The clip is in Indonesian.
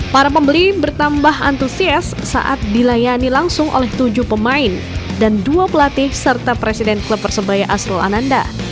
para pembeli bertambah antusias saat dilayani langsung oleh tujuh pemain dan dua pelatih serta presiden klub persebaya asrul ananda